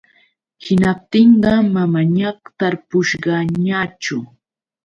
Hinaptinqa manañaćh tarpushqaañachu.